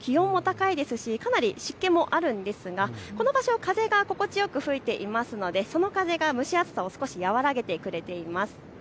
気温は高いですしかなり湿気もあるんですが、この場所は風が心地よく吹いていますので、その風が蒸し暑さを少し和らげてくれています。